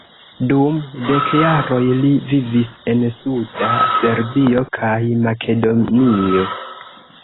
Dum dek jaroj li vivis en suda Serbio kaj Makedonio.